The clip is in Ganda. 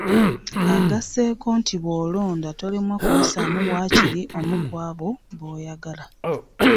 Agasseeko nti bw'olonda tolemwa kuyisaamu waakiri omu ku abo b'oyagala